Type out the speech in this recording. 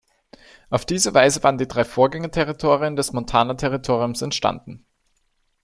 Auf diese Weise waren die drei Vorgänger-Territorien des Montana-Territoriums entstanden.